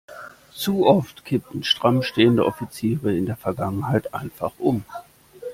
Zu oft kippten stramm stehende Offiziere in der Vergangenheit einfach um.